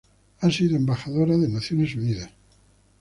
Ha sido embajadora de Naciones Unidas.